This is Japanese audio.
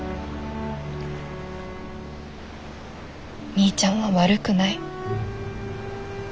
みーちゃんは悪くない。